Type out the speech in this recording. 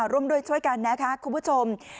ร่วมด้วยช่วยกันนะคะคุณผู้ชม